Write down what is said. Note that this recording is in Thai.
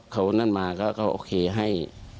เขานั่นมาก็โอเคให้